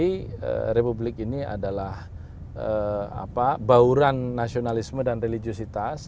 kita sadari republik ini adalah bauran nasionalisme dan religiositas